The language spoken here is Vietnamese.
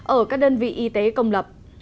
ở các đơn vị y tế công lập